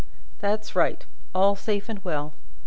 "That's right; all safe and well!